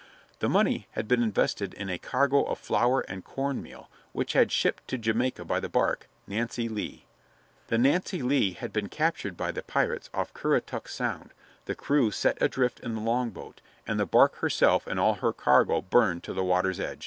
The money had been invested in a cargo of flour and corn meal which had been shipped to Jamaica by the bark Nancy Lee. The Nancy Lee had been captured by the pirates off Currituck Sound, the crew set adrift in the longboat, and the bark herself and all her cargo burned to the water's edge.